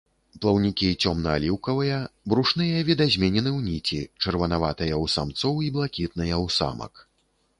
Плаўнікі цёмна-аліўкавыя, брушныя відазменены ў ніці, чырванаватыя ў самцоў і блакітныя ў самак.